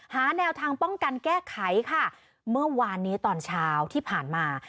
หาแนวทางป้องกันแก้ไขค่ะเมื่อวานนี้ตอนเช้าที่ผ่านมา